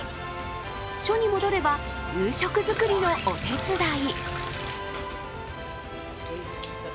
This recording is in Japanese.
署に戻れば、夕食作りのお手伝い。